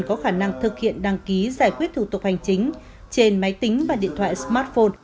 có khả năng thực hiện đăng ký giải quyết thủ tục hành chính trên máy tính và điện thoại smartphone